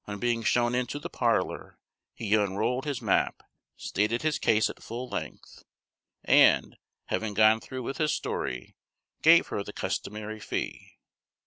On being shown into the parlor, he unrolled his map, stated his case at full length, and, having gone through with his story, gave her the customary fee.